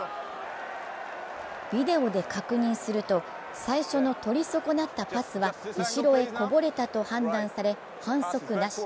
ビデオで確認すると、最初の取りそこなったパスは後ろへこぼれたと判断され反則なし。